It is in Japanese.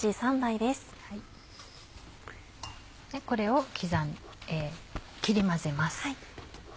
これを切り混ぜます。